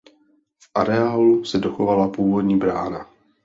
V areálu se dochovala původní brána.